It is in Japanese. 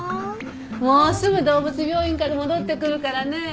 もうすぐ動物病院から戻ってくるからね。